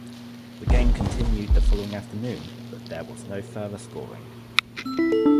The game continued the following afternoon, but there was no further scoring.